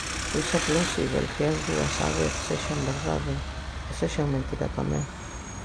Pois é plausíbel que as dúas á vez sexan verdade e sexan mentira tamén.